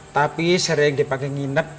tapi sering dipakai nginep